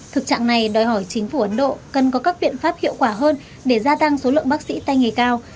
thực trạng này đòi hỏi chính phủ ấn độ cần có các biện pháp hiệu quả hơn để gia tăng số lượng bác sĩ tay nghề cao